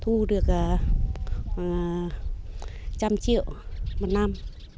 thu được một trăm linh triệu một năm